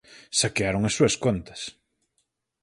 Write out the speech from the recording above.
Saquearon as súas contas.